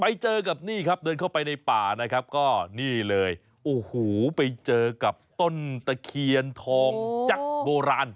ไปเจอกับนี่ครับเดินเข้าไปในป่านะครับก็นี่เลยโอ้โหไปเจอกับต้นตะเคียนทองจักรโบราณ